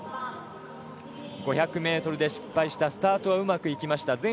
５００ｍで失敗したスタートはうまくいきました。